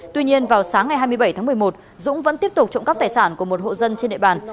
tuy nhiên vào sáng ngày hai mươi bảy tháng một mươi một dũng vẫn tiếp tục trộm cắp tài sản của một hộ dân trên địa bàn